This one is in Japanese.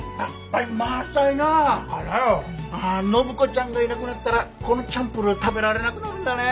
あ暢子ちゃんがいなくなったらこのチャンプルー食べられなくなるんだね。